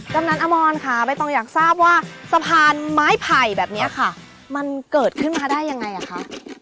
กำนันอมรค่ะใบตองอยากทราบว่าสะพานไม้ไผ่แบบนี้ค่ะมันเกิดขึ้นมาได้ยังไงอ่ะคะ